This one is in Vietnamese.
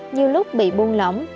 nhiều lúc bị buông lỏng